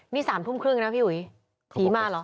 นี่สามพุ่มครึ่งนะพี่หุยผีมาหรอ